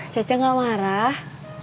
cete gak marah